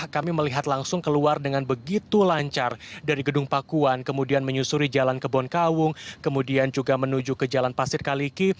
kami melihat langsung keluar dengan begitu lancar dari gedung pakuan kemudian menyusuri jalan kebonkawung kemudian juga menuju ke jalan pasir kaliki